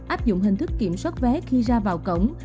áp dụng hình thức kiểm soát vé khi ra vào cổng